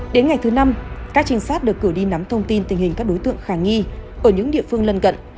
đến ngày thứ năm các trinh sát được cử đi nắm thông tin tình hình các đối tượng khả nghi ở những địa phương lân cận